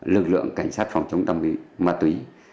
lực lượng cảnh sát phòng chống tâm ma túy